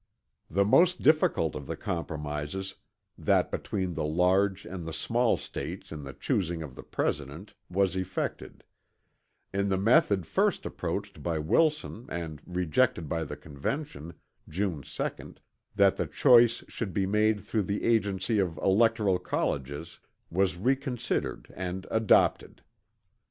The most difficult of the compromises, that between the large and the small States in the choosing of the President, was effected; and the method first proposed by Wilson and rejected by the Convention, June 2nd, that the choice should be made through the agency of electoral colleges was reconsidered and adopted.